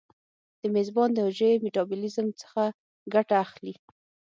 د میزبان د حجرې میتابولیزم څخه ګټه اخلي.